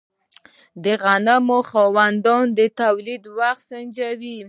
د غنمو خاوند د تولید وخت سنجوي.